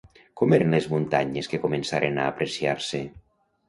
Com eren les muntanyes que començaren a apreciar-se?